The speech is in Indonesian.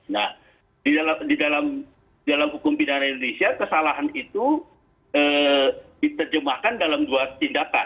nah di dalam hukum pidana indonesia kesalahan itu diterjemahkan dalam dua tindakan